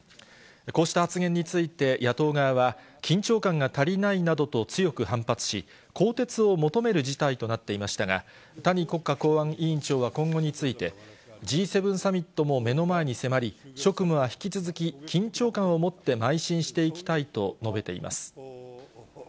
こうした発言について、野党側は、緊張感が足りないなどと強く反発し、更迭を求める事態となっていましたが、谷国家公安委員長は今後について、Ｇ７サミットも目の前に迫り、職務は引き続き、緊張感を持ってまい進していきたいと述べています。